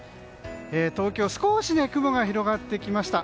東京、少し雲が広がってきました。